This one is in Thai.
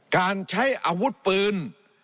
การใช้อาวุธปืน